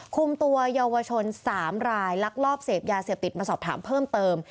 คุมตัวเยาวชน๓รายลักลอบเสพยาเสพติดมาสอบถามเพิ่มเติม